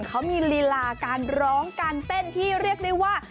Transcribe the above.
เขามีลีลาการร้องการเต้นที่เรียกได้ว่า